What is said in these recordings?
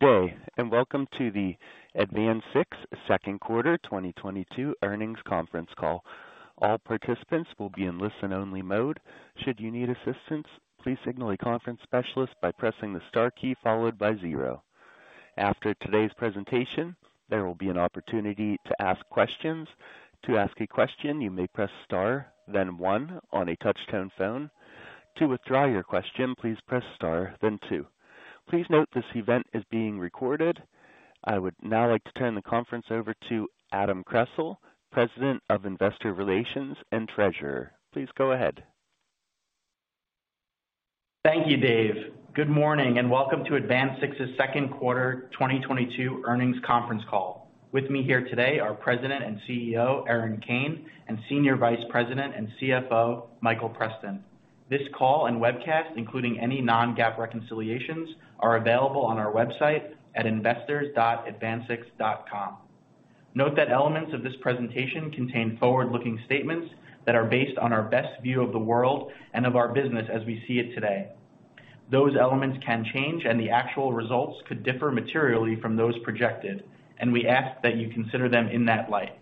Good day, and welcome to the AdvanSix second quarter 2022 earnings conference call. All participants will be in listen-only mode. Should you need assistance, please signal a conference specialist by pressing the star key followed by zero. After today's presentation, there will be an opportunity to ask questions. To ask a question, you may press star then one on a touch-tone phone. To withdraw your question, please press star then two. Please note this event is being recorded. I would now like to turn the conference over to Adam Kressel, Vice President of Investor Relations and Treasurer. Please go ahead. Thank you, Dave. Good morning and welcome to AdvanSix second quarter 2022 earnings conference call. With me here today are President and CEO, Erin Kane, and Senior Vice President and CFO, Michael Preston. This call and webcast, including any non-GAAP reconciliations, are available on our website at investors.advansix.com. Note that elements of this presentation contain forward-looking statements that are based on our best view of the world and of our business as we see it today. Those elements can change and the actual results could differ materially from those projected, and we ask that you consider them in that light.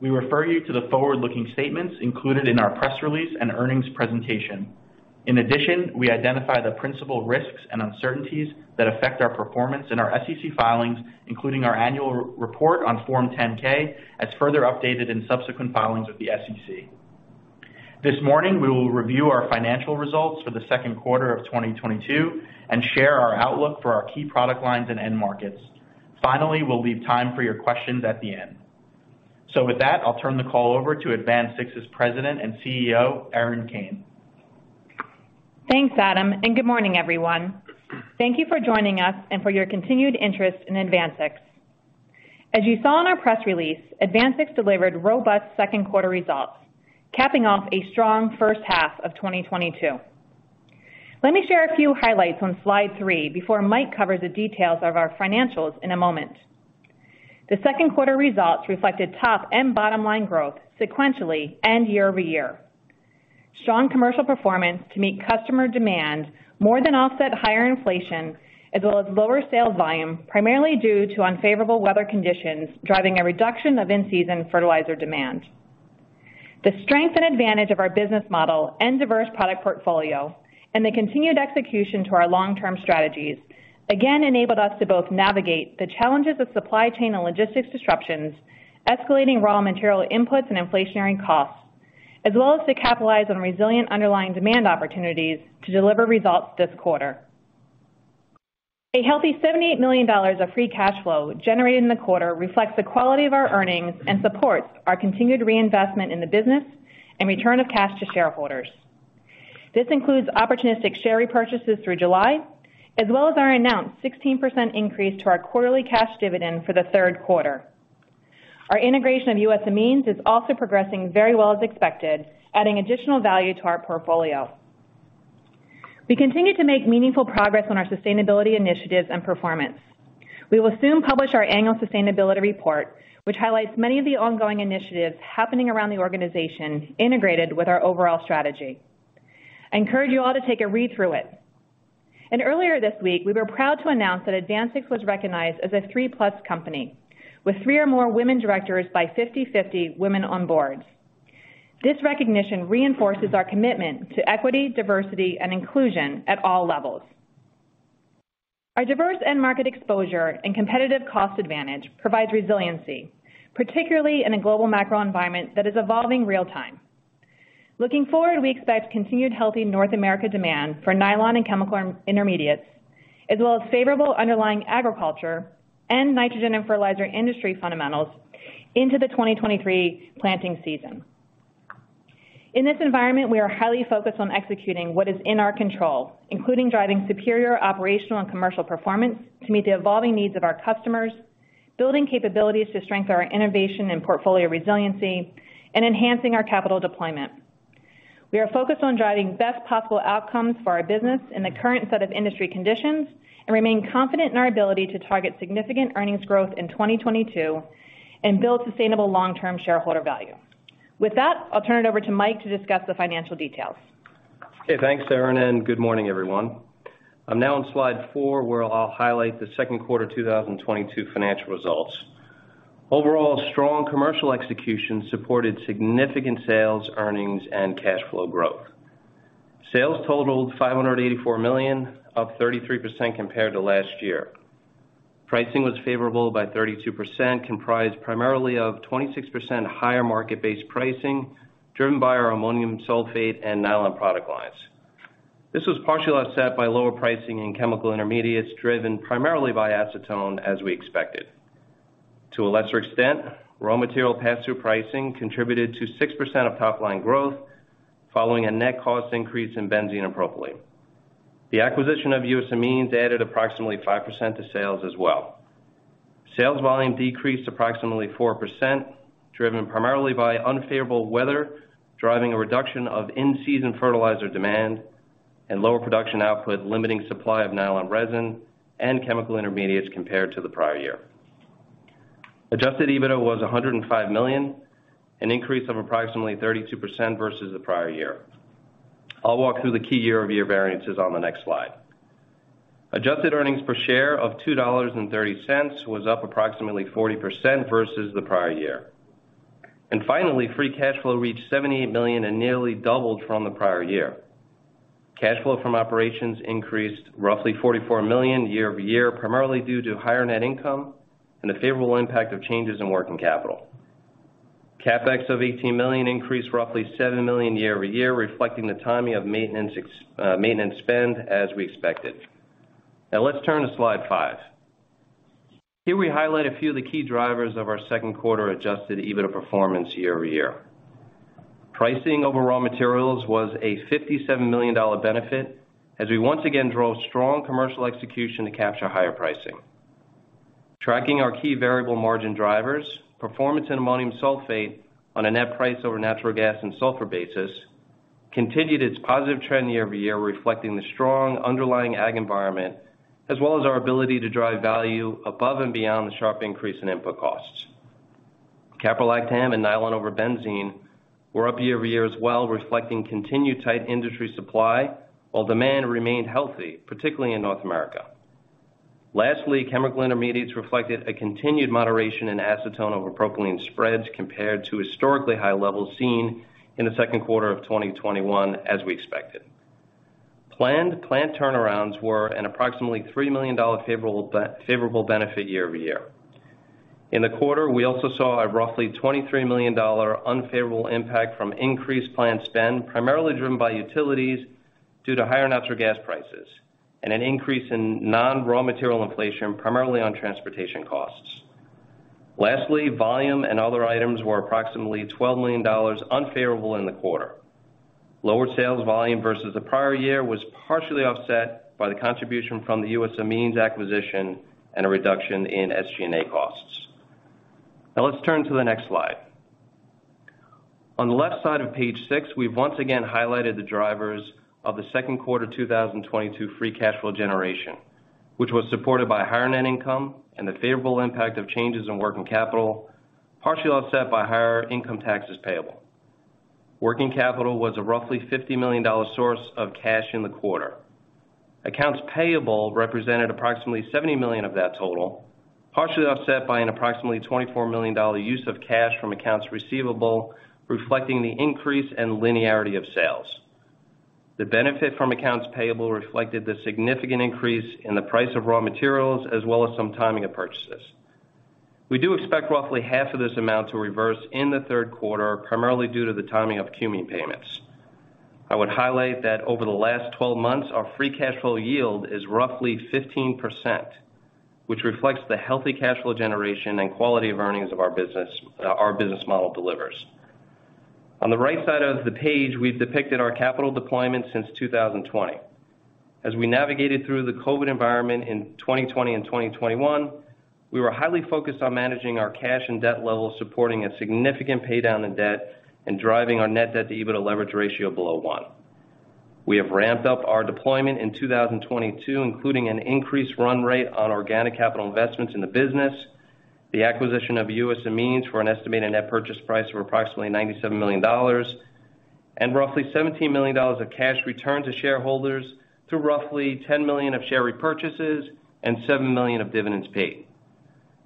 We refer you to the forward-looking statements included in our press release and earnings presentation. In addition, we identify the principal risks and uncertainties that affect our performance in our SEC filings, including our annual report on Form 10-K as further updated in subsequent filings with the SEC. This morning, we will review our financial results for the second quarter of 2022 and share our outlook for our key product lines and end markets. Finally, we'll leave time for your questions at the end. With that, I'll turn the call over to AdvanSix's President and CEO, Erin Kane. Thanks, Adam, and good morning, everyone. Thank you for joining us and for your continued interest in AdvanSix. As you saw in our press release, AdvanSix delivered robust second quarter results, capping off a strong first half of 2022. Let me share a few highlights on slide three before Mike covers the details of our financials in a moment. The second quarter results reflected top and bottom line growth sequentially and year-over-year. Strong commercial performance to meet customer demand more than offset higher inflation as well as lower sales volume, primarily due to unfavorable weather conditions driving a reduction of in-season fertilizer demand. The strength and advantage of our business model and diverse product portfolio and the continued execution to our long-term strategies again enabled us to both navigate the challenges of supply chain and logistics disruptions, escalating raw material inputs and inflationary costs, as well as to capitalize on resilient underlying demand opportunities to deliver results this quarter. A healthy $78 million of free cash flow generated in the quarter reflects the quality of our earnings and supports our continued reinvestment in the business and return of cash to shareholders. This includes opportunistic share repurchases through July, as well as our announced 16% increase to our quarterly cash dividend for the third quarter. Our integration of U.S. Amines is also progressing very well as expected, adding additional value to our portfolio. We continue to make meaningful progress on our sustainability initiatives and performance. We will soon publish our Annual Sustainability Report, which highlights many of the ongoing initiatives happening around the organization integrated with our overall strategy. I encourage you all to take a read through it. Earlier this week, we were proud to announce that AdvanSix was recognized as a three-plus company with three or more women directors by 50/50 Women on Boards. This recognition reinforces our commitment to equity, diversity, and inclusion at all levels. Our diverse end market exposure and competitive cost advantage provides resiliency, particularly in a global macro environment that is evolving real-time. Looking forward, we expect continued healthy North America demand for nylon and chemical intermediates, as well as favorable underlying agriculture and nitrogen and fertilizer industry fundamentals into the 2023 planting season. In this environment, we are highly focused on executing what is in our control, including driving superior operational and commercial performance to meet the evolving needs of our customers, building capabilities to strengthen our innovation and portfolio resiliency, and enhancing our capital deployment. We are focused on driving best possible outcomes for our business in the current set of industry conditions and remain confident in our ability to target significant earnings growth in 2022 and build sustainable long-term shareholder value. With that, I'll turn it over to Mike to discuss the financial details. Okay, thanks, Erin, and good morning, everyone. I'm now on slide four, where I'll highlight the second quarter 2022 financial results. Overall, strong commercial execution supported significant sales, earnings, and cash flow growth. Sales totaled $584 million, up 33% compared to last year. Pricing was favorable by 32%, comprised primarily of 26% higher market-based pricing driven by our ammonium sulfate and nylon product lines. This was partially offset by lower pricing in chemical intermediates, driven primarily by acetone as we expected. To a lesser extent, raw material pass-through pricing contributed to 6% of top line growth following a net cost increase in benzene and propylene. The acquisition of U.S. Amines added approximately 5% to sales as well. Sales volume decreased approximately 4%, driven primarily by unfavorable weather, driving a reduction of in-season fertilizer demand and lower production output, limiting supply of nylon resin and chemical intermediates compared to the prior year. Adjusted EBITDA was $105 million, an increase of approximately 32% versus the prior year. I'll walk through the key year-over-year variances on the next slide. Adjusted earnings per share of $2.30 was up approximately 40% versus the prior year. Finally, free cash flow reached $78 million and nearly doubled from the prior year. Cash flow from operations increased roughly $44 million year-over-year, primarily due to higher net income and a favorable impact of changes in working capital. CapEx of $18 million increased roughly $7 million year-over-year, reflecting the timing of maintenance spend as we expected. Now let's turn to slide five. Here we highlight a few of the key drivers of our second quarter Adjusted EBITDA performance year-over-year. Pricing of raw materials was a $57 million benefit as we once again drove strong commercial execution to capture higher pricing. Tracking our key variable margin drivers, performance in ammonium sulfate on a net price over natural gas and sulfur basis continued its positive trend year-over-year, reflecting the strong underlying ag environment, as well as our ability to drive value above and beyond the sharp increase in input costs. Caprolactam and nylon over benzene were up year-over-year as well, reflecting continued tight industry supply while demand remained healthy, particularly in North America. Lastly, chemical intermediates reflected a continued moderation in acetone over propylene spreads compared to historically high levels seen in the second quarter of 2021 as we expected. Planned plant turnarounds were an approximately $3 million favorable benefit year-over-year. In the quarter, we also saw a roughly $23 million unfavorable impact from increased plant spend, primarily driven by utilities due to higher natural gas prices and an increase in non-raw material inflation, primarily on transportation costs. Lastly, volume and other items were approximately $12 million unfavorable in the quarter. Lower sales volume versus the prior year was partially offset by the contribution from the U.S. Amines acquisition and a reduction in SG&A costs. Now let's turn to the next slide. On the left side of page six, we've once again highlighted the drivers of the second quarter 2022 free cash flow generation, which was supported by higher net income and the favorable impact of changes in working capital, partially offset by higher income taxes payable. Working capital was a roughly $50 million source of cash in the quarter. Accounts payable represented approximately $70 million of that total, partially offset by an approximately $24 million use of cash from accounts receivable, reflecting the increase in linearity of sales. The benefit from accounts payable reflected the significant increase in the price of raw materials, as well as some timing of purchases. We do expect roughly half of this amount to reverse in the third quarter, primarily due to the timing of cumene payments. I would highlight that over the last 12 months, our free cash flow yield is roughly 15%, which reflects the healthy cash flow generation and quality of earnings of our business, our business model delivers. On the right side of the page, we've depicted our capital deployment since 2020. As we navigated through the COVID environment in 2020 and 2021, we were highly focused on managing our cash and debt levels, supporting a significant pay down in debt and driving our net-debt-to EBITDA leverage ratio below 1. We have ramped up our deployment in 2022, including an increased run rate on organic capital investments in the business, the acquisition of U.S. Amines for an estimated net purchase price of approximately $97 million, and roughly $17 million of cash returned to shareholders through roughly $10 million of share repurchases and $7 million of dividends paid.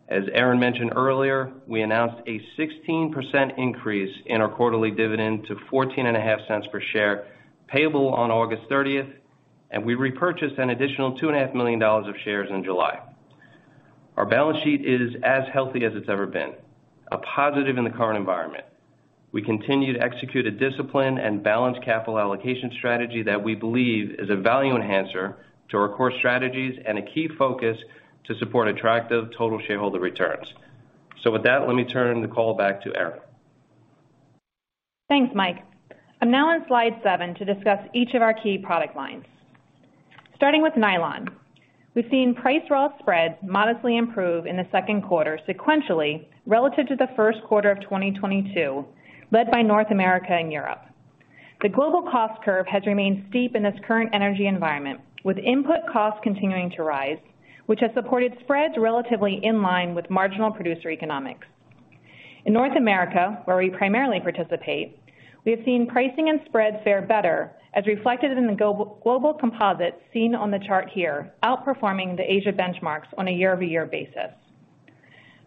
As Erin mentioned earlier, we announced a 16% increase in our quarterly dividend to $0.145 per share payable on August 30th, and we repurchased an additional $2.5 million of shares in July. Our balance sheet is as healthy as it's ever been, a positive in the current environment. We continue to execute a disciplined and balanced capital allocation strategy that we believe is a value enhancer to our core strategies and a key focus to support attractive total shareholder returns. With that, let me turn the call back to Erin. Thanks, Mike. I'm now on slide seven to discuss each of our key product lines. Starting with nylon. We've seen price raw spreads modestly improve in the second quarter sequentially relative to the first quarter of 2022, led by North America and Europe. The global cost curve has remained steep in this current energy environment, with input costs continuing to rise, which has supported spreads relatively in line with marginal producer economics. In North America, where we primarily participate, we have seen pricing and spreads fare better, as reflected in the global composite seen on the chart here, outperforming the Asia benchmarks on a year-over-year basis.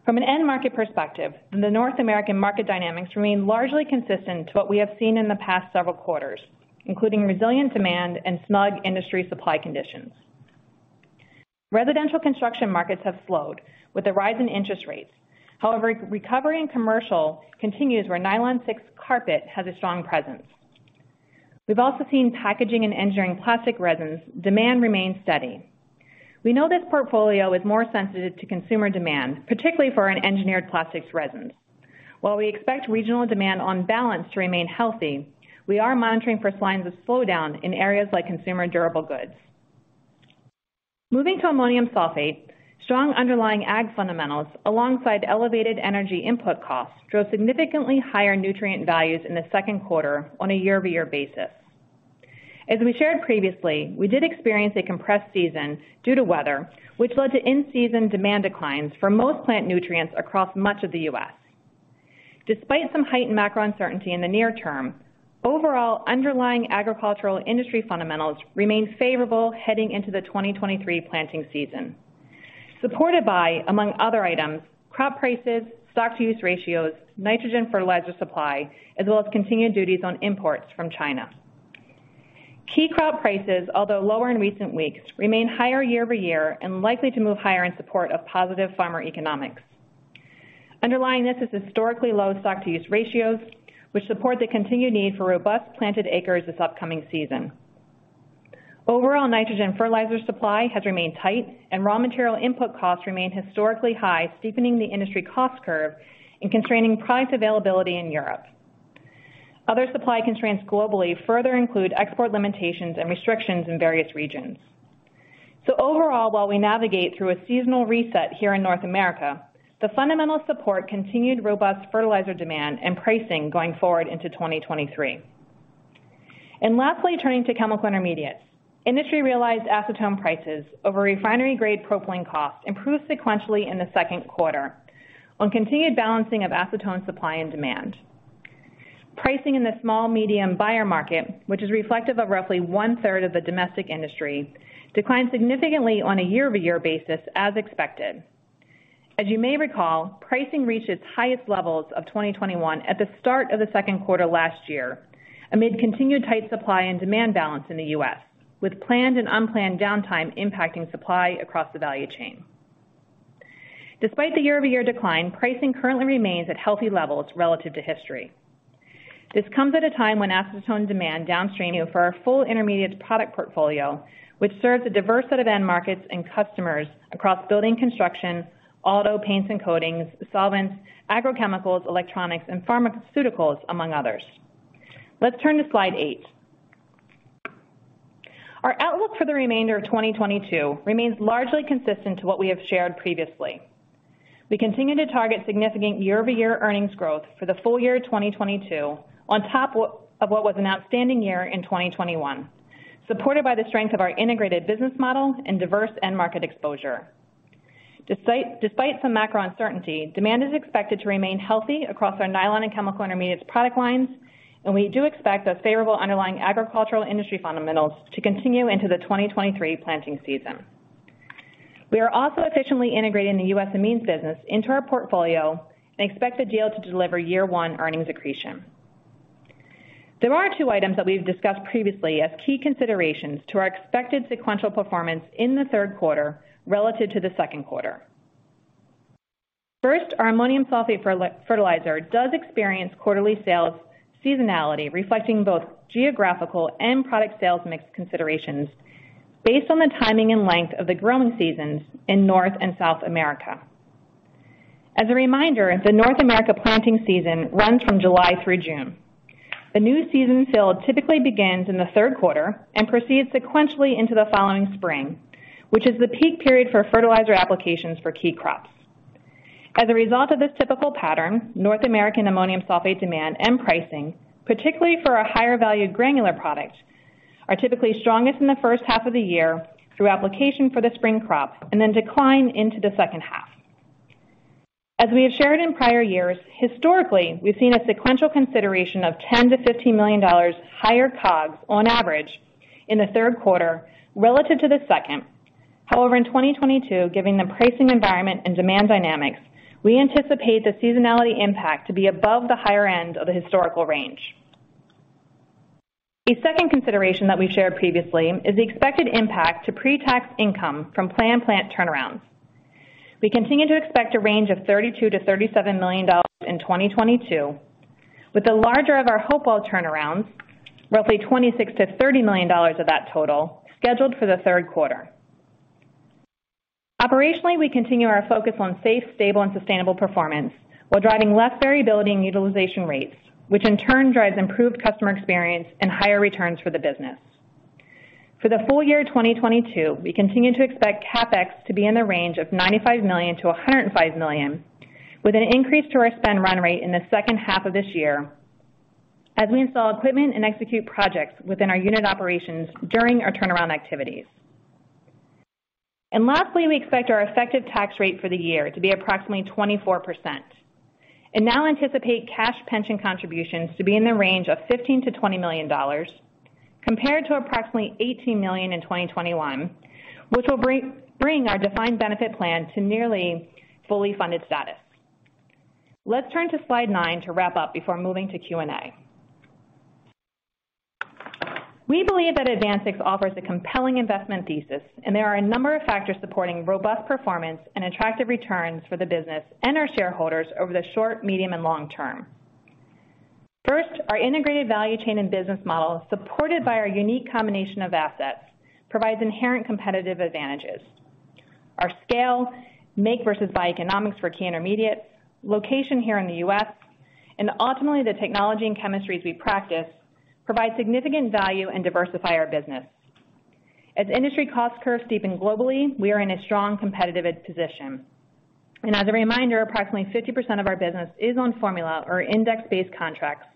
From an end market perspective, the North American market dynamics remain largely consistent to what we have seen in the past several quarters, including resilient demand and snug industry supply conditions. Residential construction markets have slowed with the rise in interest rates. However, recovery in commercial continues where Nylon 6 carpet has a strong presence. We've also seen packaging and engineering plastic resins demand remain steady. We know this portfolio is more sensitive to consumer demand, particularly for our engineered plastics resins. While we expect regional demand on balance to remain healthy, we are monitoring for signs of slowdown in areas like consumer durable goods. Moving to ammonium sulfate, strong underlying ag fundamentals alongside elevated energy input costs drove significantly higher nutrient values in the second quarter on a year-over-year basis. As we shared previously, we did experience a compressed season due to weather, which led to in-season demand declines for most plant nutrients across much of the U.S. Despite some heightened macro uncertainty in the near term, overall underlying agricultural industry fundamentals remain favorable heading into the 2023 planting season, supported by, among other items, crop prices, stocks-to-use ratios, nitrogen fertilizer supply, as well as continued duties on imports from China. Key crop prices, although lower in recent weeks, remain higher year over year and likely to move higher in support of positive farmer economics. Underlying this is historically low stocks-to-use ratios, which support the continued need for robust planted acres this upcoming season. Overall nitrogen fertilizer supply has remained tight and raw material input costs remain historically high, steepening the industry cost curve and constraining product availability in Europe. Other supply constraints globally further include export limitations and restrictions in various regions. Overall, while we navigate through a seasonal reset here in North America, the fundamental support continued robust fertilizer demand and pricing going forward into 2023. Lastly, turning to chemical intermediates. Industry realized acetone prices over Refinery-Grade Propylene costs improved sequentially in the second quarter on continued balancing of acetone supply and demand. Pricing in the small, medium buyer market, which is reflective of roughly 1/3 of the domestic industry, declined significantly on a year-over-year basis as expected. As you may recall, pricing reached its highest levels of 2021 at the start of the second quarter last year amid continued tight supply and demand balance in the U.S., with planned and unplanned downtime impacting supply across the value chain. Despite the year-over-year decline, pricing currently remains at healthy levels relative to history. This comes at a time when acetone demand downstream for our full intermediate product portfolio, which serves a diverse set of end markets and customers across building construction, auto paints and coatings, solvents, agrochemicals, electronics, and pharmaceuticals, among others. Let's turn to slide eight. Our outlook for the remainder of 2022 remains largely consistent to what we have shared previously. We continue to target significant year-over-year earnings growth for the full year 2022 on top of what was an outstanding year in 2021, supported by the strength of our integrated business model and diverse end market exposure. Despite some macro uncertainty, demand is expected to remain healthy across our nylon and chemical intermediates product lines, and we do expect those favorable underlying agricultural industry fundamentals to continue into the 2023 planting season. We are also efficiently integrating the U.S. Amines business into our portfolio and expect the deal to deliver year one earnings accretion. There are two items that we've discussed previously as key considerations to our expected sequential performance in the third quarter relative to the second quarter. First, our ammonium sulfate fertilizer does experience quarterly sales seasonality, reflecting both geographical and product sales mix considerations based on the timing and length of the growing seasons in North and South America. As a reminder, the North America planting season runs from July through June. The new field season typically begins in the third quarter and proceeds sequentially into the following spring, which is the peak period for fertilizer applications for key crops. As a result of this typical pattern, North American ammonium sulfate demand and pricing, particularly for our higher valued granular products, are typically strongest in the first half of the year through application for the spring crop, and then decline into the second half. As we have shared in prior years, historically, we've seen a sequential consideration of $10 million-$15 million higher COGS on average in the third quarter relative to the second. However, in 2022, given the pricing environment and demand dynamics, we anticipate the seasonality impact to be above the higher end of the historical range. A second consideration that we've shared previously is the expected impact to pre-tax income from plant turnarounds. We continue to expect a range of $32 million-$37 million in 2022, with the larger of our Hopewell turnarounds, roughly $26 million-$30 million of that total, scheduled for the third quarter. Operationally, we continue our focus on safe, stable, and sustainable performance while driving less variability in utilization rates, which in turn drives improved customer experience and higher returns for the business. For the full year 2022, we continue to expect CapEx to be in the range of $95 million-$105 million, with an increase to our spend run rate in the second half of this year as we install equipment and execute projects within our unit operations during our turnaround activities. Lastly, we expect our effective tax rate for the year to be approximately 24% and now anticipate cash pension contributions to be in the range of $15 million-$20 million compared to approximately $18 million in 2021, which will bring our defined benefit plan to nearly fully funded status. Let's turn to slide nine to wrap up before moving to Q&A. We believe that AdvanSix offers a compelling investment thesis, and there are a number of factors supporting robust performance and attractive returns for the business and our shareholders over the short, medium, and long term. First, our integrated value chain and business model, supported by our unique combination of assets, provides inherent competitive advantages. Our scale, make versus buy economics for key intermediates, location here in the US, and ultimately, the technology and chemistries we practice provide significant value and diversify our business. As industry cost curves deepen globally, we are in a strong competitive position. As a reminder, approximately 50% of our business is on formula or index-based contracts,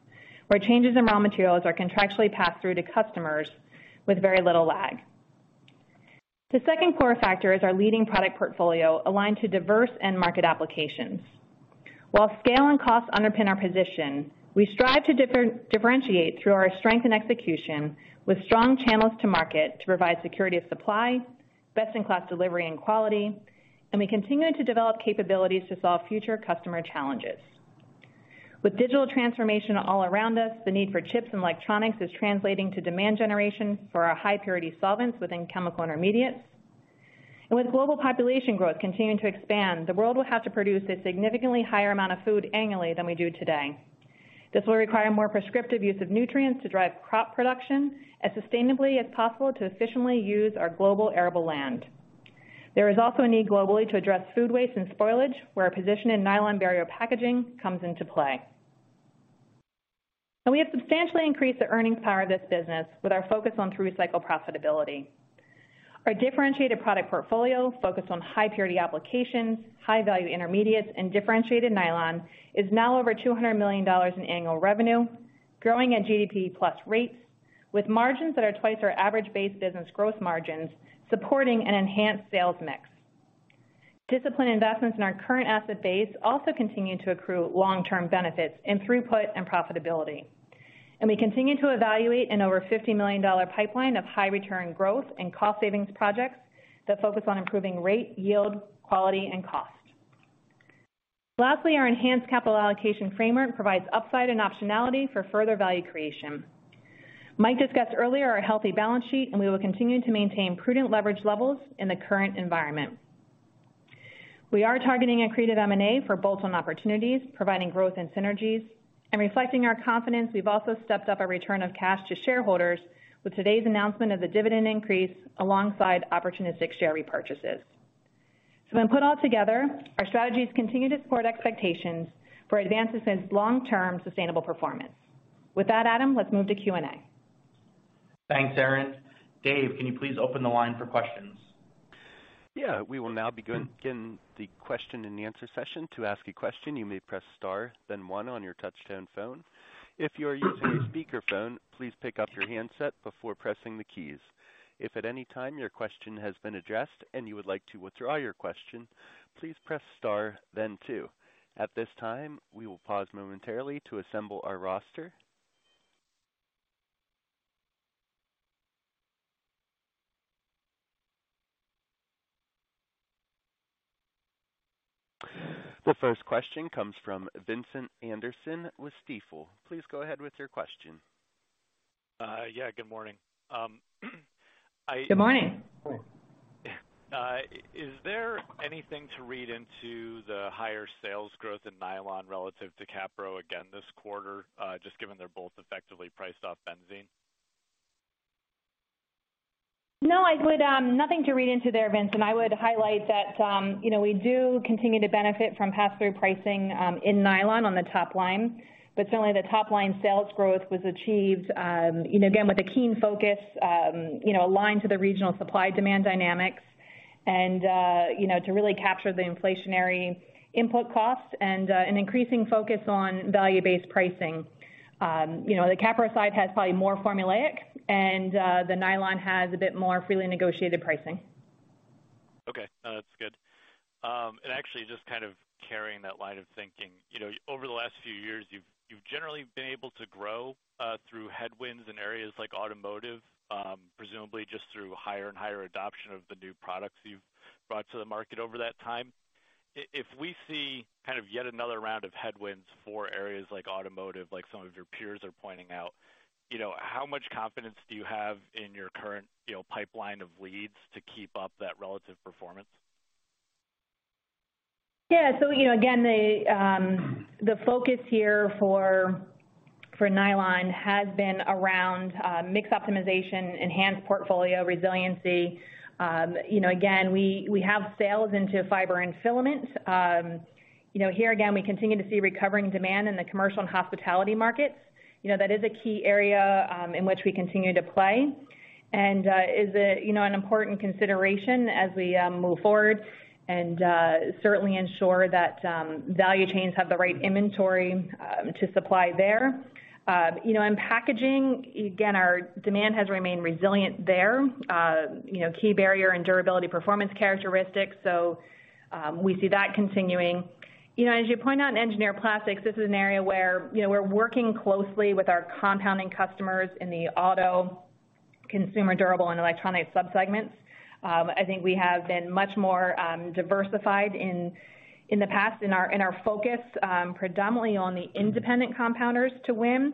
where changes in raw materials are contractually passed through to customers with very little lag. The second core factor is our leading product portfolio aligned to diverse end market applications. While scale and cost underpin our position, we strive to differentiate through our strength and execution with strong channels to market to provide security of supply, best-in-class delivery and quality, and we continue to develop capabilities to solve future customer challenges. With digital transformation all around us, the need for chips and electronics is translating to demand generation for our high purity solvents within chemical intermediates. With global population growth continuing to expand, the world will have to produce a significantly higher amount of food annually than we do today. This will require more prescriptive use of nutrients to drive crop production as sustainably as possible to efficiently use our global arable land. There is also a need globally to address food waste and spoilage, where our position in nylon barrier packaging comes into play. We have substantially increased the earnings power of this business with our focus on through-cycle profitability. Our differentiated product portfolio focused on high purity applications, high-value intermediates, and differentiated nylon is now over $200 million in annual revenue, growing at GDP+ rates, with margins that are twice our average base business growth margins, supporting an enhanced sales mix. Disciplined investments in our current asset base also continue to accrue long-term benefits in throughput and profitability, and we continue to evaluate an over $50 million-dollar pipeline of high return growth and cost savings projects that focus on improving rate, yield, quality, and cost. Lastly, our enhanced capital allocation framework provides upside and optionality for further value creation. Mike discussed earlier our healthy balance sheet, and we will continue to maintain prudent leverage levels in the current environment. We are targeting accretive M&A for bolt-on opportunities, providing growth and synergies. Reflecting our confidence, we've also stepped up our return of cash to shareholders with today's announcement of the dividend increase alongside opportunistic share repurchases. When put all together, our strategies continue to support expectations for AdvanSix's long-term sustainable performance. With that, Adam, let's move to Q&A. Thanks, Erin. Dave, can you please open the line for questions? Yeah. We will now be going into the question and answer session. To ask a question, you may press star, then one on your touchtone phone. If you are using a speakerphone, please pick up your handset before pressing the keys. If at any time your question has been addressed and you would like to withdraw your question, please press star then two. At this time, we will pause momentarily to assemble our roster. The first question comes from Vincent Anderson with Stifel. Please go ahead with your question. Yeah, good morning. Good morning. Is there anything to read into the higher sales growth in nylon relative to Caprolactam again this quarter? Just given they're both effectively priced off benzene. Nothing to read into there, Vincent. I would highlight that, you know, we do continue to benefit from pass-through pricing in nylon on the top line. Certainly the top line sales growth was achieved, you know, again, with a keen focus, you know, aligned to the regional supply-demand dynamics and, you know, to really capture the inflationary input costs and an increasing focus on value-based pricing. You know, the Caprolactam side has probably more formulaic and the nylon has a bit more freely negotiated pricing. Okay. No, that's good. Actually just kind of carrying that line of thinking, you know, over the last few years, you've generally been able to grow through headwinds in areas like automotive, presumably just through higher and higher adoption of the new products you've brought to the market over that time. If we see kind of yet another round of headwinds for areas like automotive, like some of your peers are pointing out, you know, how much confidence do you have in your current, you know, pipeline of leads to keep up that relative performance? Yeah. You know, again, the focus here for nylon has been around mix optimization, enhanced portfolio resiliency. You know, again, we have sales into fiber and filament. You know, here again, we continue to see recovering demand in the commercial and hospitality markets. You know, that is a key area in which we continue to play and is an important consideration as we move forward and certainly ensure that value chains have the right inventory to supply there. You know, in packaging, again, our demand has remained resilient there. You know, key barrier and durability performance characteristics. We see that continuing. You know, as you point out in engineered plastics, this is an area where, you know, we're working closely with our compounding customers in the auto, consumer durables, and electronic subsegments. I think we have been much more diversified in the past in our focus, predominantly on the independent compounders to win.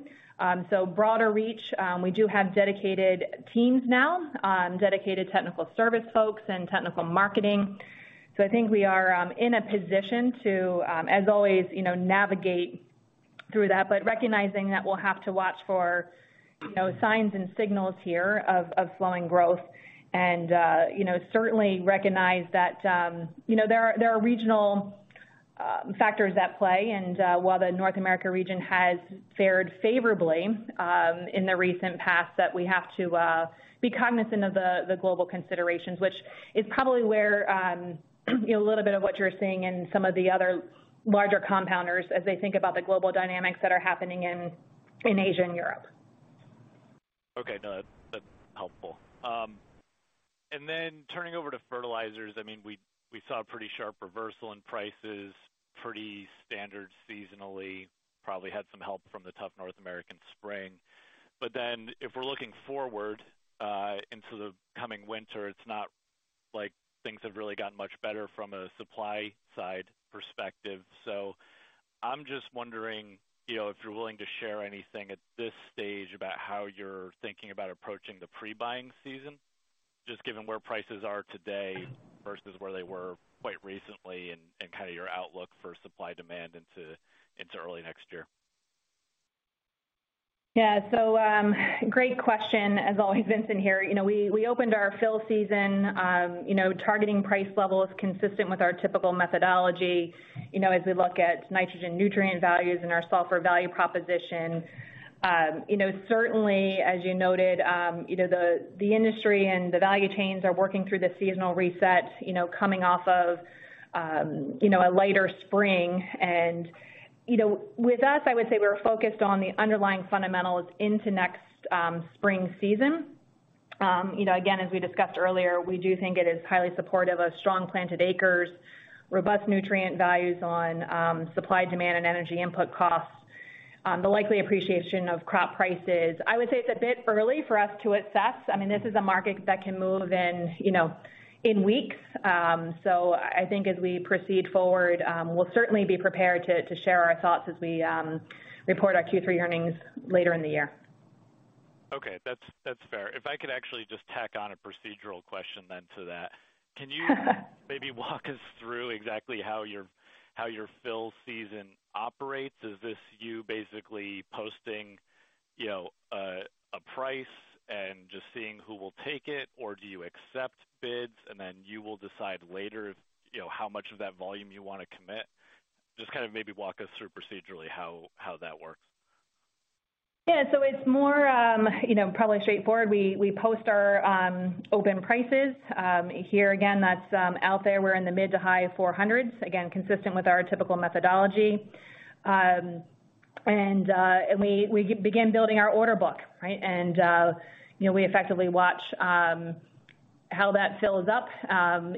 So broader reach. We do have dedicated teams now, dedicated technical service folks and technical marketing. So I think we are in a position to, as always, you know, navigate through that, but recognizing that we'll have to watch for, you know, signs and signals here of slowing growth. You know, certainly recognize that, you know, there are regional factors at play. While the North America region has fared favorably in the recent past, that we have to be cognizant of the global considerations, which is probably where you know a little bit of what you're seeing in some of the other larger compounders as they think about the global dynamics that are happening in Asia and Europe. Okay. No, that's helpful. Turning over to fertilizers, I mean, we saw a pretty sharp reversal in prices, pretty standard seasonally, probably had some help from the tough North American spring. If we're looking forward into the coming winter, it's not like things have really gotten much better from a supply side perspective. I'm just wondering, you know, if you're willing to share anything at this stage about how you're thinking about approaching the pre-buying season, just given where prices are today versus where they were quite recently and kind of your outlook for supply demand into early next year. Yeah. Great question as always, Vincent, here. You know, we opened our fall season, you know, targeting price levels consistent with our typical methodology, you know, as we look at nitrogen nutrient values and our sulfur value proposition. You know, certainly as you noted, you know, the industry and the value chains are working through the seasonal reset, you know, coming off of, you know, a lighter spring. You know, with us, I would say we're focused on the underlying fundamentals into next spring season. You know, again, as we discussed earlier, we do think it is highly supportive of strong planted acres, robust nutrient values on supply, demand, and energy input costs, the likely appreciation of crop prices. I would say it's a bit early for us to assess. I mean, this is a market that can move in, you know, in weeks. I think as we proceed forward, we'll certainly be prepared to share our thoughts as we report our Q3 earnings later in the year. Okay. That's fair. If I could actually just tack on a procedural question then to that. Can you maybe walk us through exactly how your fill season operates? Is this you basically posting, you know, a price and just seeing who will take it? Or do you accept bids and then you will decide later if, you know, how much of that volume you wanna commit? Just kinda maybe walk us through procedurally how that works. Yeah. It's more, you know, probably straightforward. We post our open prices. Here again, that's out there. We're in the mid- to high 400s, again, consistent with our typical methodology. And we begin building our order book, right? You know, we effectively watch how that fills up.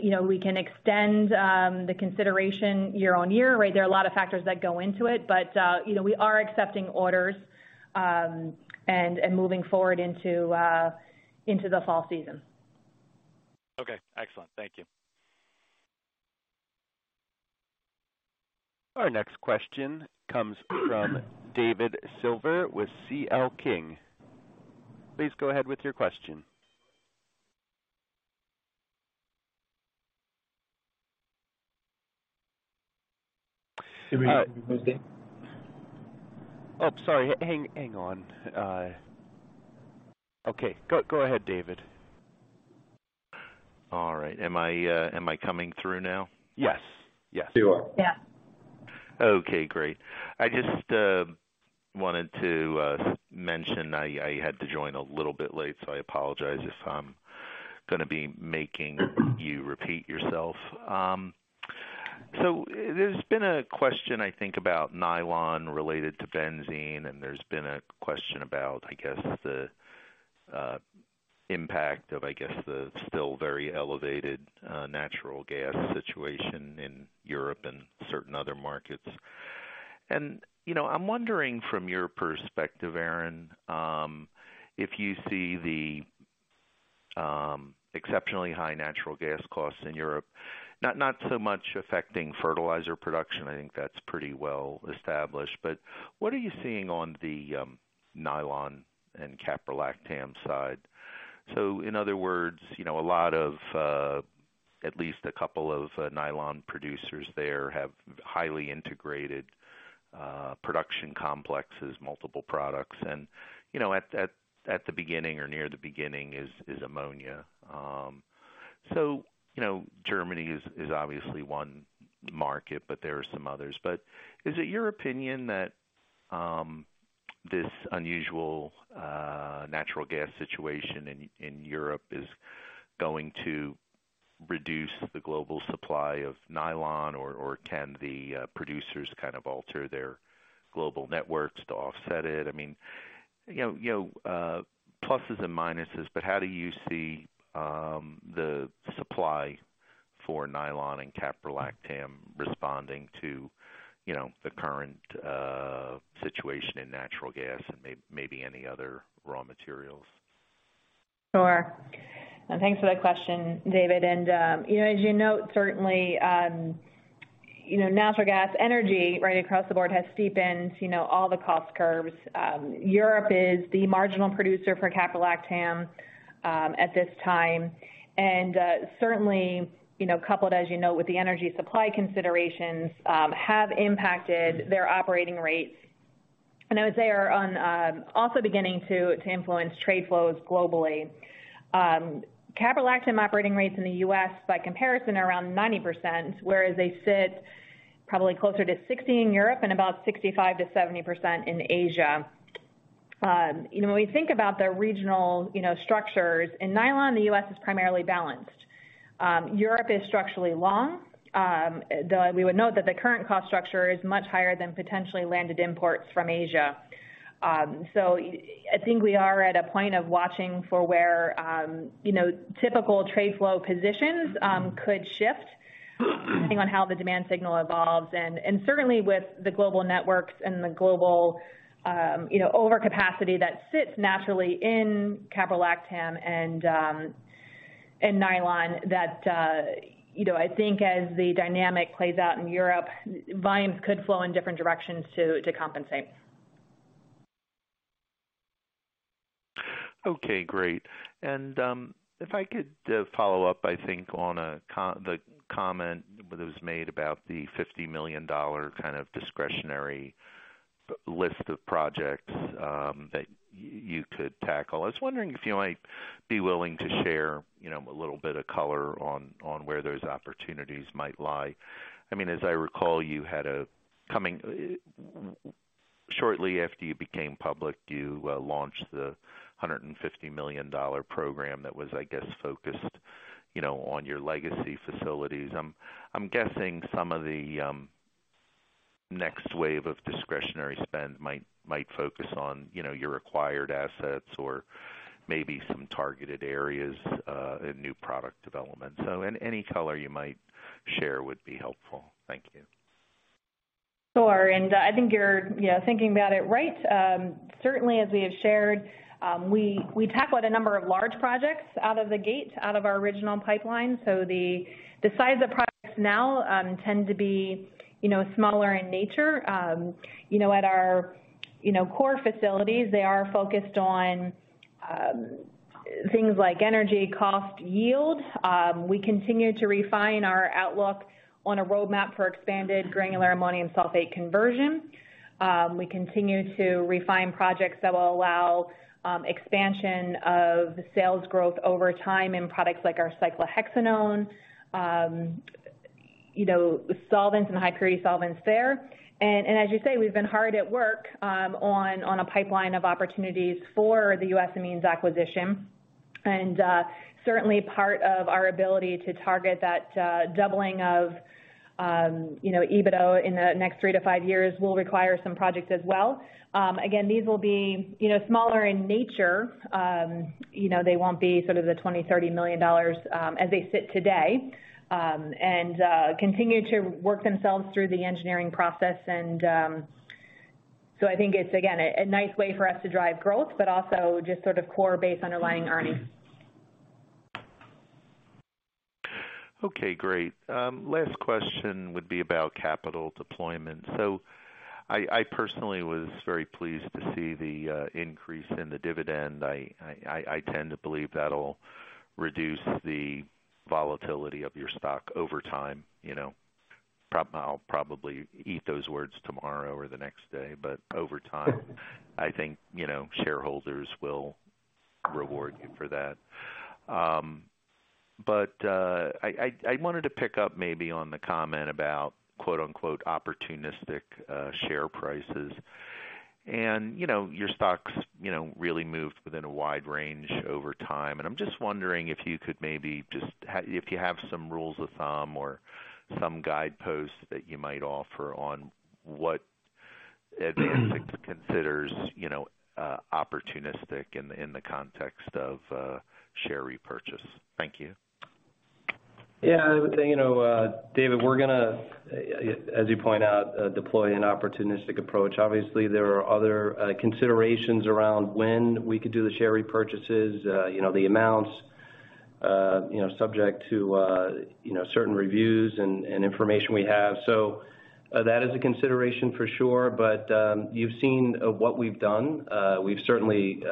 You know, we can extend the consideration year on year, right? There are a lot of factors that go into it, but you know, we are accepting orders and moving forward into the fall season. Okay, excellent. Thank you. Our next question comes from David Silver with C.L. King. Please go ahead with your question. Oh, sorry. Hang on. Okay. Go ahead, David. All right. Am I coming through now? Yes. Yes. You are. Yeah. Okay, great. I just wanted to mention I had to join a little bit late, so I apologize if I'm gonna be making you repeat yourself. There's been a question, I think, about nylon related to benzene, and there's been a question about, I guess, the impact of, I guess, the still very elevated natural gas situation in Europe and certain other markets. You know, I'm wondering from your perspective, Erin, if you see the exceptionally high natural gas costs in Europe, not so much affecting fertilizer production, I think that's pretty well established, but what are you seeing on the nylon and caprolactam side? In other words, you know, a lot of at least a couple of nylon producers there have highly integrated production complexes, multiple products. You know, at the beginning or near the beginning is ammonia. You know, Germany is obviously one market, but there are some others. Is it your opinion that this unusual natural gas situation in Europe is going to reduce the global supply of nylon? Or can the producers kind of alter their global networks to offset it? I mean, you know, pluses and minuses, but how do you see the supply for nylon and caprolactam responding to the current situation in natural gas and maybe any other raw materials? Sure. Thanks for that question, David. You know, as you note, certainly, you know, natural gas energy right across the board has steepened, you know, all the cost curves. Europe is the marginal producer for caprolactam at this time. Certainly, you know, coupled, as you note, with the energy supply considerations, have impacted their operating rates and I would say are also beginning to influence trade flows globally. Caprolactam operating rates in the U.S. by comparison are around 90%, whereas they sit probably closer to 60% in Europe and about 65%-70% in Asia. You know, when we think about the regional, you know, structures, in nylon, the U.S. is primarily balanced. Europe is structurally long. We would note that the current cost structure is much higher than potentially landed imports from Asia. I think we are at a point of watching for where, you know, typical trade flow positions could shift depending on how the demand signal evolves and certainly with the global networks and the global, you know, overcapacity that sits naturally in caprolactam and nylon that, you know. I think as the dynamic plays out in Europe, volumes could flow in different directions to compensate. Okay, great. If I could follow up, I think on the comment that was made about the $50 million kind of discretionary list of projects that you could tackle. I was wondering if you might be willing to share, you know, a little bit of color on where those opportunities might lie. I mean, as I recall, Shortly after you became public, you launched the $150 million dollar program that was, I guess, focused, you know, on your legacy facilities. I'm guessing some of the next wave of discretionary spend might focus on, you know, your acquired assets or maybe some targeted areas in new product development. Any color you might share would be helpful. Thank you. Sure. I think you're, you know, thinking about it right. Certainly as we have shared, we talk about a number of large projects out of the gate, out of our original pipeline. The size of projects now tend to be, you know, smaller in nature. You know, at our core facilities, they are focused on things like energy, cost, yield. We continue to refine our outlook on a roadmap for expanded granular ammonium sulfate conversion. We continue to refine projects that will allow expansion of the sales growth over time in products like our cyclohexanone, you know, solvents and high-purity solvents there. As you say, we've been hard at work on a pipeline of opportunities for the U.S. Amines acquisition. Certainly part of our ability to target that doubling of, you know, EBITDA in the next three to five years will require some projects as well. Again, these will be, you know, smaller in nature. You know, they won't be sort of the $20 million-$30 million as they sit today and continue to work themselves through the engineering process. I think it's again a nice way for us to drive growth, but also just sort of core base underlying earnings. Okay, great. Last question would be about capital deployment. I personally was very pleased to see the increase in the dividend. I tend to believe that'll reduce the volatility of your stock over time, you know. I'll probably eat those words tomorrow or the next day, but over time, I think, you know, shareholders will reward you for that. But I wanted to pick up maybe on the comment about quote-unquote "opportunistic" share prices. You know, your stock really moved within a wide range over time. I'm just wondering if you have some rules of thumb or some guideposts that you might offer on what AdvanSix considers, you know, opportunistic in the context of share repurchase. Thank you. Yeah, I would say, you know, David, we're gonna, as you point out, deploy an opportunistic approach. Obviously, there are other considerations around when we could do the share repurchases, you know, the amounts, you know, subject to, you know, certain reviews and information we have. That is a consideration for sure. You've seen what we've done. We've certainly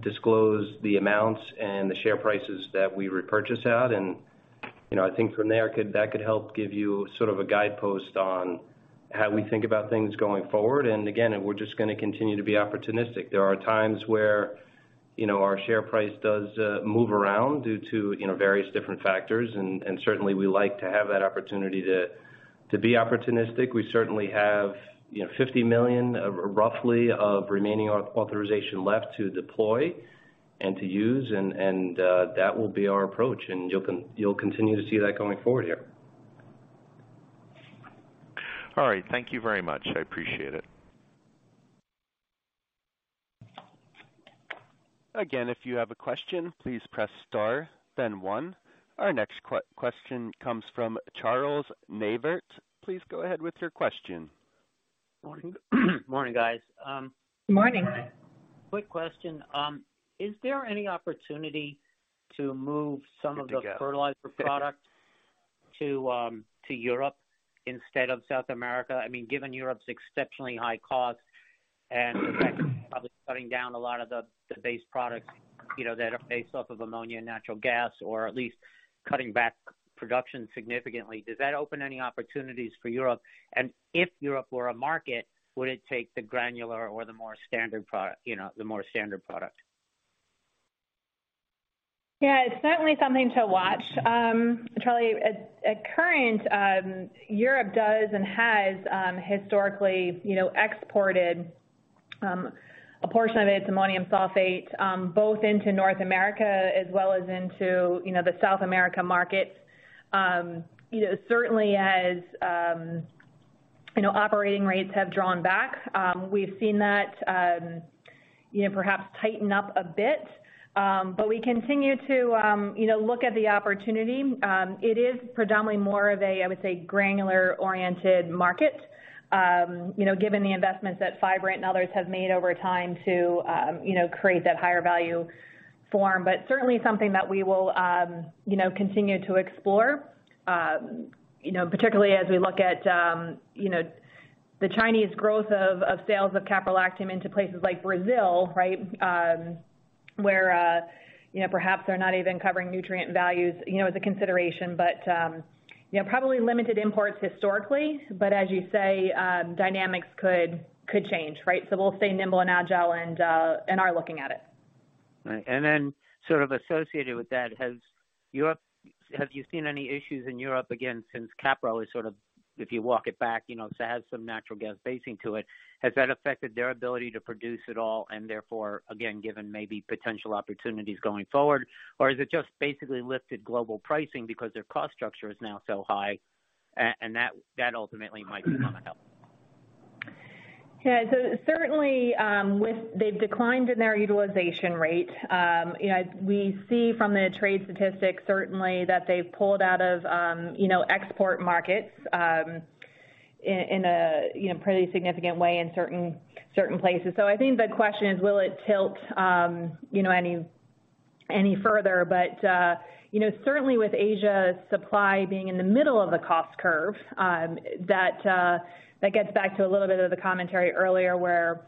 disclosed the amounts and the share prices that we repurchase at. You know, I think from there, that could help give you sort of a guidepost on how we think about things going forward. Again, we're just gonna continue to be opportunistic. There are times where, you know, our share price does move around due to, you know, various different factors, and certainly we like to have that opportunity to be opportunistic. We certainly have, you know, roughly $50 million of remaining authorization left to deploy and to use, and that will be our approach, and you'll continue to see that going forward here. All right. Thank you very much. I appreciate it. Again, if you have a question, please press star, then one. Our next question comes from Charles Neivert. Please go ahead with your question. Morning. Morning, guys. Morning. Quick question. Is there any opportunity to move some of the fertilizer product to Europe instead of South America? I mean, given Europe's exceptionally high cost and probably cutting down a lot of the base products, you know, that are based off of ammonia and natural gas, or at least cutting back production significantly. Does that open any opportunities for Europe? If Europe were a market, would it take the granular or the more standard product, you know, the more standard product? Yeah, it's certainly something to watch. Charlie, at current, Europe does and has historically, you know, exported a portion of its ammonium sulfate both into North America as well as into, you know, the South America market. You know, certainly as you know, operating rates have drawn back, we've seen that, you know, perhaps tighten up a bit. But we continue to, you know, look at the opportunity. It is predominantly more of a, I would say, granular-oriented market, you know, given the investments that Fibrant and others have made over time to, you know, create that higher value form. Certainly something that we will, you know, continue to explore, you know, particularly as we look at, you know, the Chinese growth of sales of caprolactam into places like Brazil, right? Where, you know, perhaps they're not even covering nutrient values, you know, as a consideration. You know, probably limited imports historically, but as you say, dynamics could change, right? We'll stay nimble and agile and are looking at it. Right. Then sort of associated with that, have you seen any issues in Europe, again, since caprol is sort of, if you walk it back, you know, has some natural gas feedstock to it, has that affected their ability to produce at all, and therefore, again, given maybe potential opportunities going forward? Or is it just basically lifted global pricing because their cost structure is now so high and that ultimately might become a help? Yeah. Certainly, they've declined in their utilization rate. You know, we see from the trade statistics certainly that they've pulled out of, you know, export markets, in a pretty significant way in certain places. I think the question is, will it tilt any further? You know, certainly with Asia's supply being in the middle of the cost curve, that gets back to a little bit of the commentary earlier where,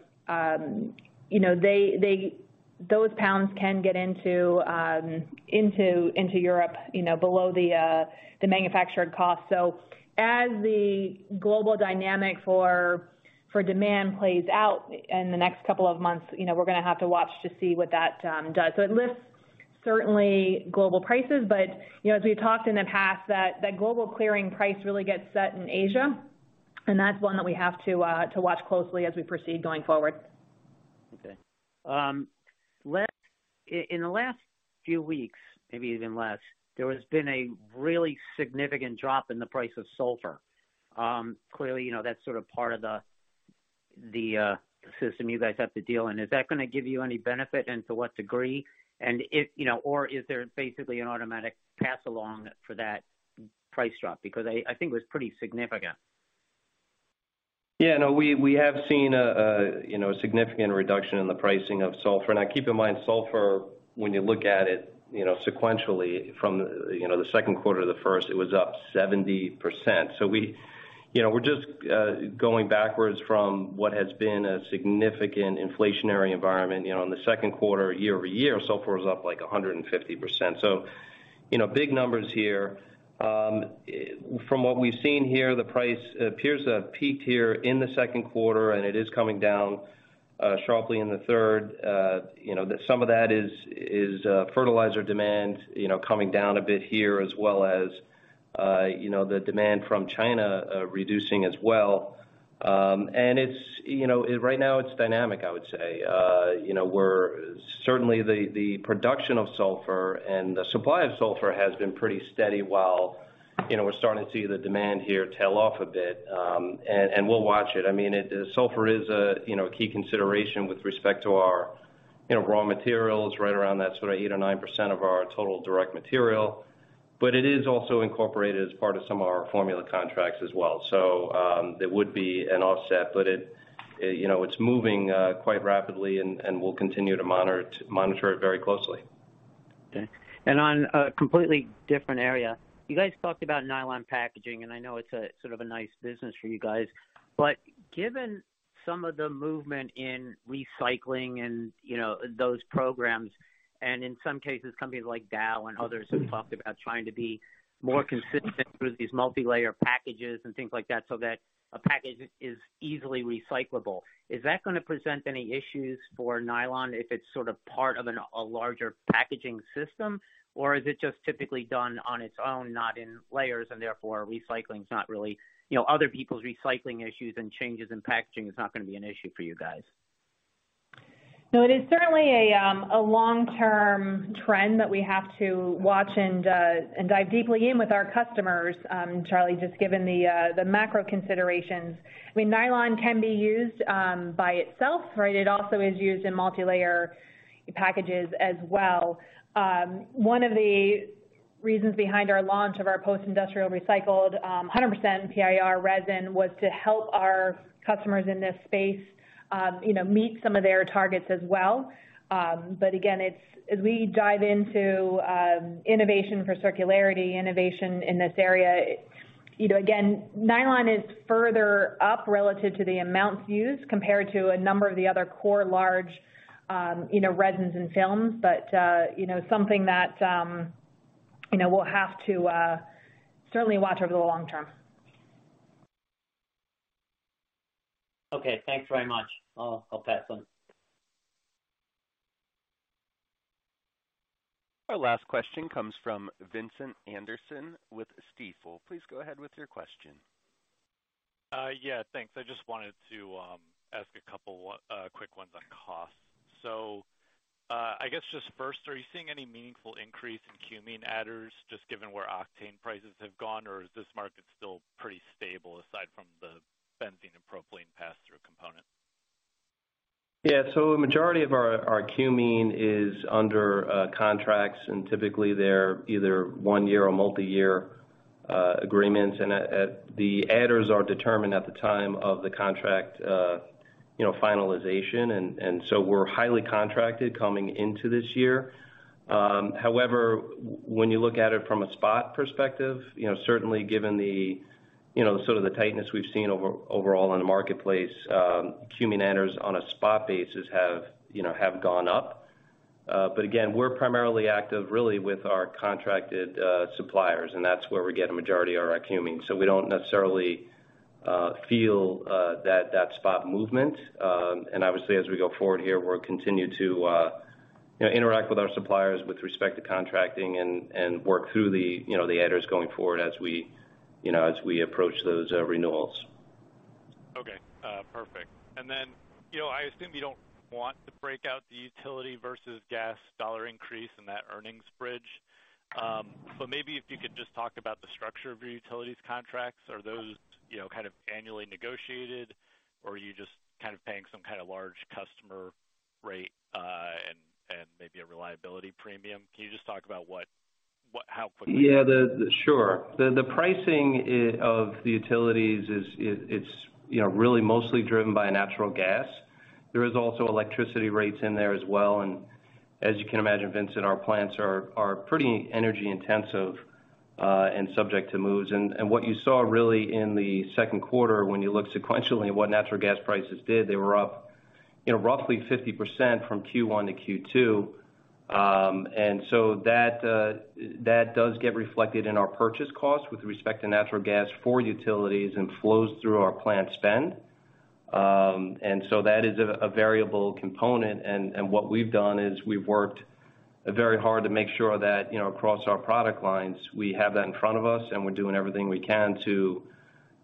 you know, they those pounds can get into Europe, you know, below the manufactured cost. As the global dynamic for demand plays out in the next couple of months, you know, we're gonna have to watch to see what that does. It certainly lifts global prices. You know, as we've talked in the past, that global clearing price really gets set in Asia, and that's one that we have to watch closely as we proceed going forward. Okay. In the last few weeks, maybe even less, there has been a really significant drop in the price of sulfur. Clearly, you know, that's sort of part of the system you guys have to deal in. Is that gonna give you any benefit, and to what degree? You know, or is there basically an automatic pass along for that price drop? Because I think it was pretty significant. Yeah, no, we have seen a significant reduction in the pricing of sulfur. Now keep in mind, sulfur, when you look at it, you know, sequentially from the first quarter to the second, it was up 70%. We, you know, we're just going backwards from what has been a significant inflationary environment. You know, in the second quarter, year-over-year, sulfur was up like 150%. You know, big numbers here. From what we've seen here, the price appears to have peaked here in the second quarter, and it is coming down sharply in the third. You know, some of that is fertilizer demand, you know, coming down a bit here, as well as, you know, the demand from China reducing as well. It's, you know, right now it's dynamic, I would say. You know, certainly the production of sulfur and the supply of sulfur has been pretty steady while, you know, we're starting to see the demand here tail off a bit. We'll watch it. I mean, it, sulfur is a, you know, key consideration with respect to our, you know, raw materials, right around that sort of 8% or 9% of our total direct material. It is also incorporated as part of some of our formula contracts as well. There would be an offset, but it, you know, it's moving quite rapidly and we'll continue to monitor it very closely. Okay. On a completely different area, you guys talked about nylon packaging, and I know it's a sort of a nice business for you guys. Given some of the movement in recycling and, you know, those programs, and in some cases, companies like Dow and others have talked about trying to be more consistent with these multi-layer packages and things like that, so that a package is easily recyclable. Is that gonna present any issues for nylon if it's sort of part of a larger packaging system? Is it just typically done on its own, not in layers, and therefore recycling is not really, you know, other people's recycling issues and changes in packaging is not gonna be an issue for you guys? No, it is certainly a long-term trend that we have to watch and dive deeply in with our customers, Charlie, just given the macro considerations. I mean, nylon can be used by itself, right? It also is used in multi-layer packages as well. One of the reasons behind our launch of our post-industrial recycled 100% PIR resin was to help our customers in this space, you know, meet some of their targets as well. Again, as we dive into innovation for circularity, innovation in this area. You know, again, nylon is further up relative to the amounts used compared to a number of the other core large, you know, resins and films, but, you know, something that, you know, we'll have to certainly watch over the long term. Okay, thanks very much. I'll pass on. Our last question comes from Vincent Anderson with Stifel. Please go ahead with your question. Yeah, thanks. I just wanted to ask a couple of quick ones on costs. I guess just first, are you seeing any meaningful increase in cumene adders just given where octane prices have gone? Or is this market still pretty stable aside from the benzene and propylene pass-through component? Yeah. A majority of our cumene is under contracts, and typically, they're either one-year or multi-year agreements. The adders are determined at the time of the contract, you know, finalization. We're highly contracted coming into this year. However, when you look at it from a spot perspective, you know, certainly given the, you know, sort of the tightness we've seen overall in the marketplace, cumene adders on a spot basis have, you know, gone up. Again, we're primarily active really with our contracted suppliers, and that's where we get a majority of our cumene. We don't necessarily feel that spot movement. Obviously, as we go forward here, we'll continue to, you know, interact with our suppliers with respect to contracting and work through the, you know, the adders going forward as we, you know, as we approach those renewals. Okay. Perfect. You know, I assume you don't want to break out the utility versus gas dollar increase in that earnings bridge. Maybe if you could just talk about the structure of your utilities contracts. Are those, you know, kind of annually negotiated? Or are you just kind of paying some kind of large customer rate, and maybe a reliability premium? Can you just talk about what? Yeah. Sure. The pricing of the utilities is. It's, you know, really mostly driven by natural gas. There is also electricity rates in there as well. As you can imagine, Vincent, our plants are pretty energy intensive and subject to moves. What you saw really in the second quarter, when you look sequentially at what natural gas prices did, they were up, you know, roughly 50% from Q1 to Q2. That does get reflected in our purchase costs with respect to natural gas for utilities and flows through our plant spend. That is a variable component. What we've done is we've worked very hard to make sure that, you know, across our product lines, we have that in front of us, and we're doing everything we can to,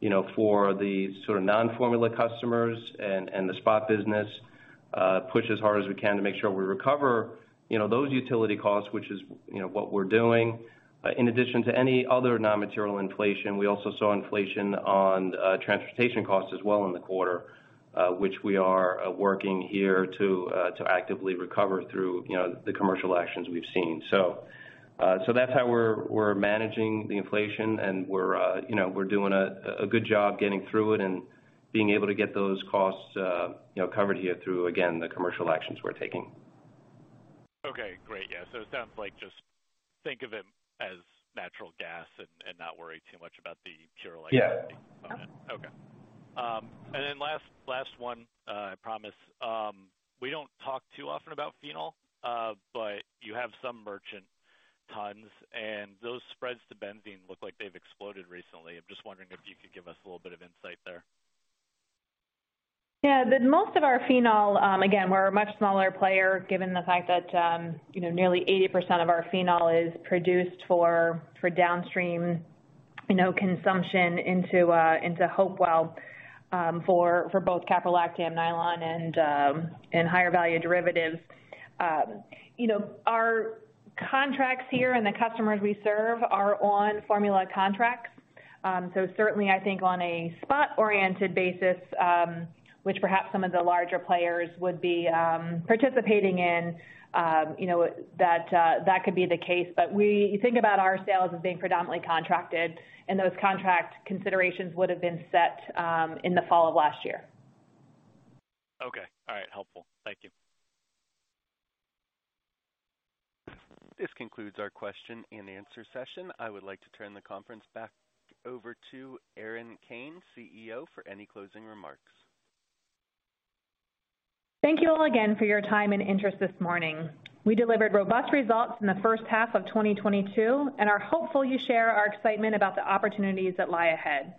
you know, for the sort of non-formula customers and the spot business, push as hard as we can to make sure we recover, you know, those utility costs, which is, you know, what we're doing. In addition to any other non-material inflation, we also saw inflation on transportation costs as well in the quarter, which we are working here to actively recover through, you know, the commercial actions we've seen. That's how we're managing the inflation and we're, you know, doing a good job getting through it and being able to get those costs, you know, covered here through, again, the commercial actions we're taking. Okay, great. Yeah. It sounds like just think of it as natural gas and not worry too much about the pure- Yeah. Okay. Last one, I promise. We don't talk too often about phenol, but you have some merchant tons, and those spreads to benzene look like they've exploded recently. I'm just wondering if you could give us a little bit of insight there. Yeah. Most of our phenol, again, we're a much smaller player, given the fact that, you know, nearly 80% of our phenol is produced for downstream, you know, consumption into Hopewell, for both caprolactam nylon and higher value derivatives. You know, our contracts here and the customers we serve are on formula contracts. So certainly I think on a spot-oriented basis, which perhaps some of the larger players would be participating in, you know, that could be the case. But we think about our sales as being predominantly contracted, and those contract considerations would have been set in the fall of last year. Okay. All right. Helpful. Thank you. This concludes our question and answer session. I would like to turn the conference back over to Erin Kane, CEO, for any closing remarks. Thank you all again for your time and interest this morning. We delivered robust results in the first half of 2022, and are hopeful you share our excitement about the opportunities that lie ahead.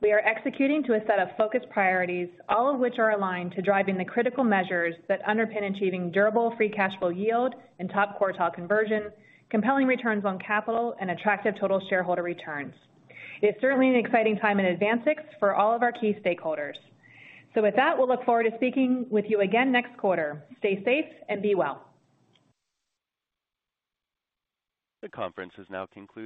We are executing to a set of focused priorities, all of which are aligned to driving the critical measures that underpin achieving durable free cash flow yield and top quartile conversion, compelling returns on capital, and attractive total shareholder returns. It's certainly an exciting time at AdvanSix for all of our key stakeholders. With that, we'll look forward to speaking with you again next quarter. Stay safe and be well. The conference has now concluded.